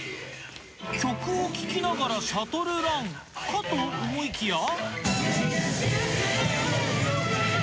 曲を聴きながらシャトルランかと思いきや